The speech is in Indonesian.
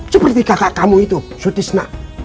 seperti kakak kamu itu sutisna